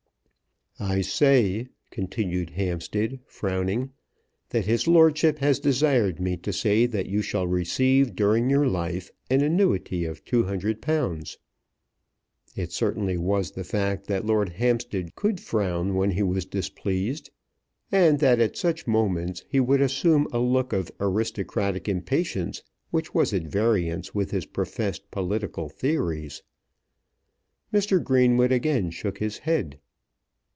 "I say," continued Hampstead, frowning, "that his lordship has desired me to say that you shall receive during your life an annuity of £200." It certainly was the fact that Lord Hampstead could frown when he was displeased, and that at such moments he would assume a look of aristocratic impatience which was at variance with his professed political theories. Mr. Greenwood again shook his head.